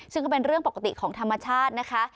ซึ่งก็เป็นเรื่องปกติของธรรมชาตินะคะ